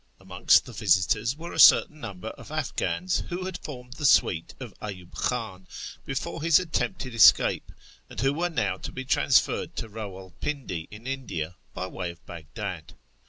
Amongst the visitors were a certain number of Afghans who had formed the suite of Ayub Khan before his attempted escape, and who were now to be transferred to Eawal Pindi in India, by way of Baghdad.